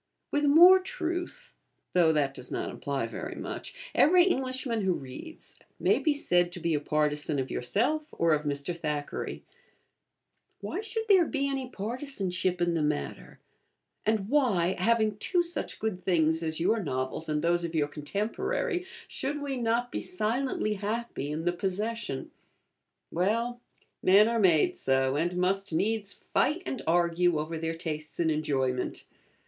With more truth (though that does not imply very much) every Englishman who reads may be said to be a partisan of yourself or of Mr. Thackeray. Why should there be any partisanship in the matter; and why, having two such good things as your novels and those of your contemporary, should we not be silently happy in the possession? Well, men are made so, and must needs fight and argue over their tastes in enjoyment.